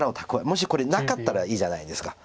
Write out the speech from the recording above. もしこれなかったらいいじゃないですか。